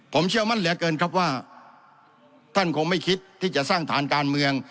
ผมเชื่อมั่นเหลือเกินครับว่าท่านคงไม่คิดที่จะสร้างฐานการเมือง